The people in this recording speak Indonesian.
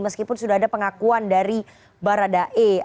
meskipun sudah ada pengakuan dari baradae